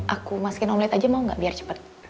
aku masukin online aja mau gak biar cepet